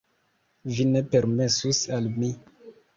vi ne permesus al mi.